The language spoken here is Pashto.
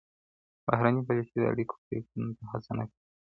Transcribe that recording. بهرنۍ پالیسي د اړیکو پريکون ته هڅونه نه کوي.